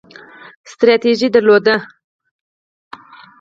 ستراتیژي درلوده